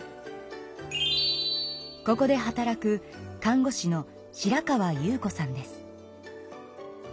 ここで働く看護師の白川優子さんです。